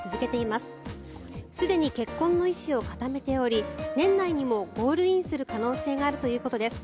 すでに結婚の意思を固めており年内にもゴールインする可能性があるということです。